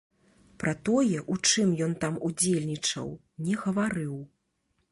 Пра тое, у чым ён там удзельнічаў, не гаварыў.